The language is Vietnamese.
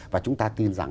và chúng ta tin rằng